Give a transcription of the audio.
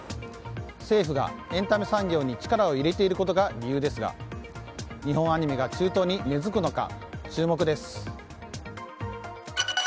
政府がエンタメ産業に力を入れていることが理由ですが日本アニメが中東に根付くのか注目です。